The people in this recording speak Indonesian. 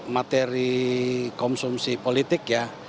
materi konsumsi politik ya